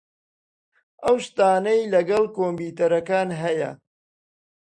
ئەو ئاشنایی لەگەڵ کۆمپیوتەرەکان ھەیە.